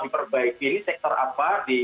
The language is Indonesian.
memperbaiki ini sektor apa di